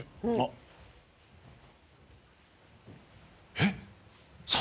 えっ！